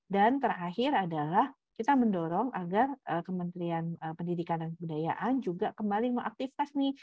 dan terakhir adalah kita mendorong agar kementerian pendidikan dan kebudayaan juga kembali mengaktifkan nih